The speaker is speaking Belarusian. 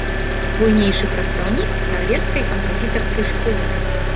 Буйнейшы прадстаўнік нарвежскай кампазітарскай школы.